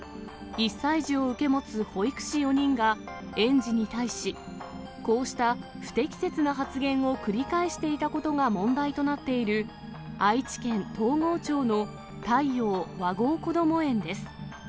１歳児を受け持つ保育士４人が、園児に対し、こうした不適切な発言を繰り返していたことが問題となっている、愛知県東郷町の太陽わごうこども園です。